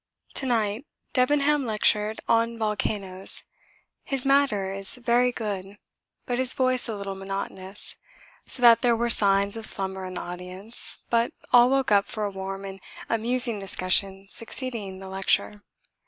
To night Debenham lectured on volcanoes. His matter is very good, but his voice a little monotonous, so that there were signs of slumber in the audience, but all woke up for a warm and amusing discussion succeeding the lecture.